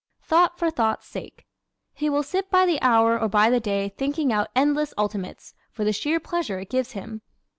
Thought for Thought's Sake ¶ He will sit by the hour or by the day thinking out endless ultimates, for the sheer pleasure it gives him.